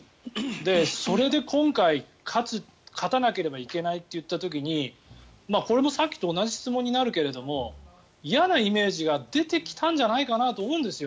それで今回勝たなければいけないといった時にこれもさっきと同じ質問になるけれども嫌なイメージが出てきたんじゃないかなと思うんですよ。